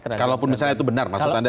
kalaupun misalnya itu benar maksud anda